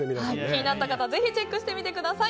気になった方はぜひチェックしてみてください。